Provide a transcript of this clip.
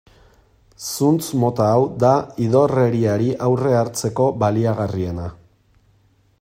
Zuntz mota hau da idorreriari aurre hartzeko baliagarriena.